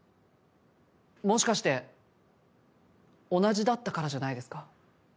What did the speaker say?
もしかして同じだったからじゃないですか？